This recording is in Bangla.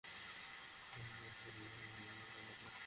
হ্যাঁ, ও পারে।